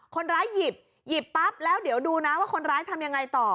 คนร้ายหยิบหยิบปั๊บแล้วเดี๋ยวดูนะว่าคนร้ายทำยังไงต่อ